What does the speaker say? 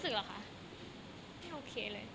สวัสดีครับ